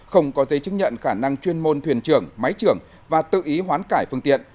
không có giấy chứng nhận khả năng chuyên môn thuyền trưởng máy trưởng và tự ý hoán cải phương tiện